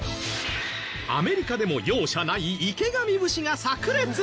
アメリカでも容赦ない池上節が炸裂！